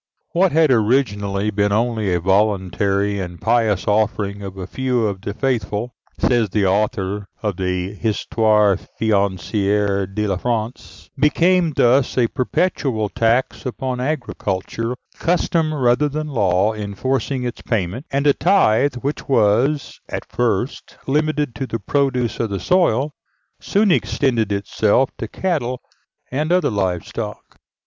"What had originally been only a voluntary and pious offering of a few of the faithful," says the author of the "Histoire Financière de la France," "became thus a perpetual tax upon agriculture, custom rather than law enforcing its payment; and a tithe which was at first limited to the produce of the soil, soon extended itself to cattle and other live stock."